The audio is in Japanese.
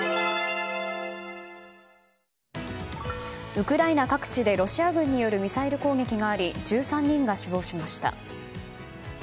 ウクライナ各地でロシア軍によるミサイル攻撃があり１３人が死亡しました。